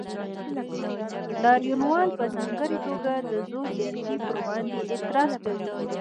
لاریونوال په ځانګړې توګه د زور زیاتي پر وړاندې اعتراض کوي.